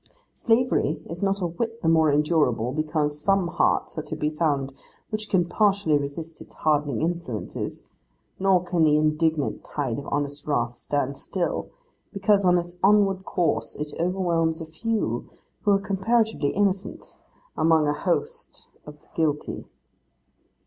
Slavery is not a whit the more endurable because some hearts are to be found which can partially resist its hardening influences; nor can the indignant tide of honest wrath stand still, because in its onward course it overwhelms a few who are comparatively innocent, among a host of guilty.